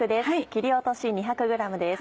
切り落とし２００ｇです。